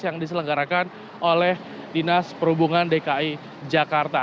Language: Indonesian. yang diselenggarakan oleh dinas perhubungan dki jakarta